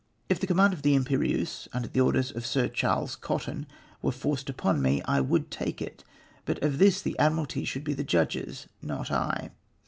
If the command of the Iinperieuse, under the orders of Sir Charles Cotton, were forced upon me I would take it, ])ut of this the Admiralty should be the judges — not I.